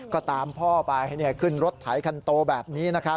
ก็ตามพ่อไปขึ้นรถไถคันโตแบบนี้